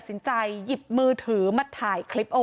กังฟูเปล่าใหญ่มา